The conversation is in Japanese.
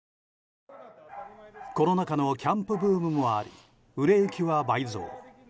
コロナ禍のキャンプブームもあり売れ行きは倍増。